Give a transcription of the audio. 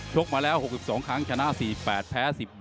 กมาแล้ว๖๒ครั้งชนะ๔๘แพ้๑๑